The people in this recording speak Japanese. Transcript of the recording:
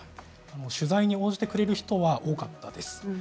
取材に応じてくれる人は多かったです。